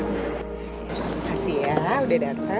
untuk tanah bruit